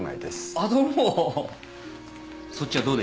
あっどうも。